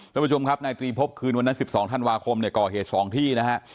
ท่านผู้ชมครับนายตีพบคืนวันนั้น๑๒ท่านวาคมก่อเหตุสองที่นะครับ